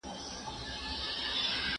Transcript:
د مجلې نوم “پښتون” دی.